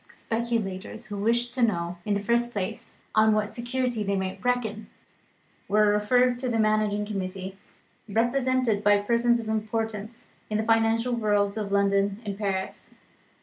Speculators who wished to know, in the first place, on what security they might reckon, were referred to the managing committee, represented by persons of importance in the financial worlds of London and Paris.